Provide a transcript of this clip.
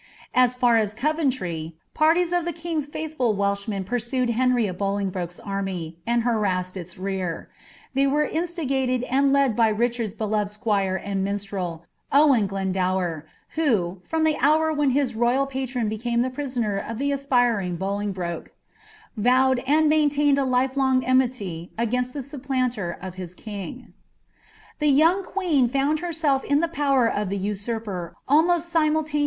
As far as Coventry, parties of the king's faithful Welshmen pursued Henry of Bolingbroke's army, sni) harassed its rear. They were instigated and led by Richard's beloved squire and minstrel, Owen Glennnwer, who, from ihe hour when his rnynl patron became the prisoner of the aspiring Bolin^broke, vovfcj and maintained a lifelong enmity against the supplnnler of his The yoime fjueen found herself in the power of the usurper almost Miniiliaiieou!>